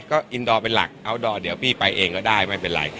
ก็อินดอร์เป็นหลักอัลดอร์เดี๋ยวพี่ไปเองก็ได้ไม่เป็นไร